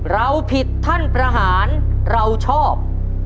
เราผิดท่านประหารเราชอบ